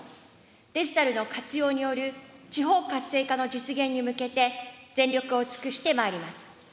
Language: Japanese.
デジタルの活用による地方活性化の実現に向けて、全力を尽くしてまいります。